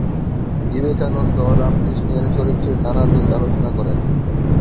বিবেকানন্দ রামকৃষ্ণের চরিত্রের নানা দিক আলোচনা করেন।